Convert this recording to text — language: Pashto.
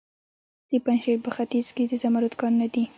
د پنجشیر په خینج کې د زمرد کانونه دي.